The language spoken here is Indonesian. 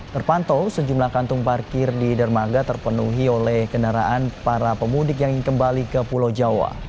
terpantau sejumlah kantung parkir di dermaga terpenuhi oleh kendaraan para pemudik yang ingin kembali ke pulau jawa